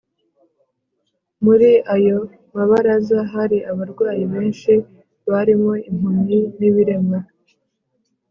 Muri ayo mabaraza hari abarwayi benshi, barimo impumyi n’ibirema